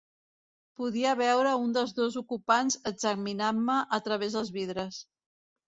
Podia veure un dels dos ocupants examinant-me a través dels vidres.